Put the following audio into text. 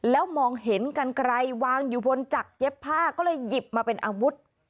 แล้วมองเห็นกันไกลวางอยู่บนจักรเย็บผ้าก็เลยหยิบมาเป็นอาวุธ